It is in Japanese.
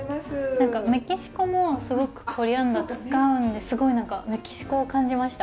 何かメキシコもすごくコリアンダー使うんですごい何かメキシコを感じました。